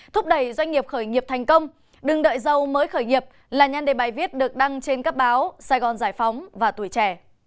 thúc đẩy doanh nghiệp khởi nghiệp thành công đừng đợi dâu mới khởi nghiệp là nhân đề bài viết được đăng trên các báo sài gòn giải phóng và tuổi trẻ